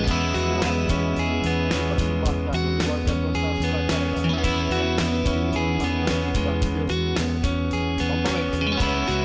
saya ingin mengucapkan terima kasih kepada anda semua yang telah menonton video ini